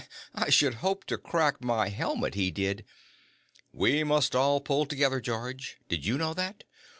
I should hope to crack my helmet he did! We must all pull together, George, did you know that?